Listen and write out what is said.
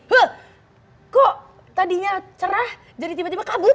weh kok tadinya cerah jadi tiba tiba kabut